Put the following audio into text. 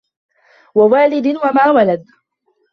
وَوالِدٍ وَما وَلَدَ